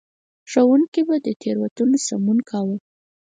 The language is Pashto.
ښوونکي به د تېروتنو سمون کاوه.